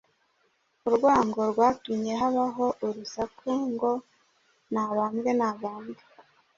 Urwango rwatumye habaho urusaku ngo, “Nabambwe! Nabambwe!”,